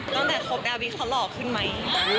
ตั้งแต่ครบดาววิทย์เขาหล่อขึ้นไหม